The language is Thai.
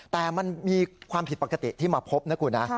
แต่มันมีความผิดปกติที่มาพบนะคุณนะ